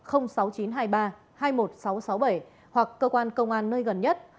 hoặc cơ quan công an nơi gần nhất